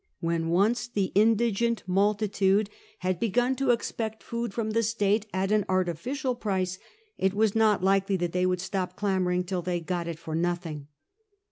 When once the indigent multitude had begun to 6o CAIUS GEACCHUS expect food from the state at an artificial price^ it was not likely that they would stop clamouring till they got it for nothing.